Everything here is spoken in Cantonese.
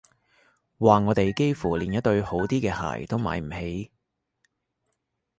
話我哋幾乎連一對好啲嘅鞋都買唔起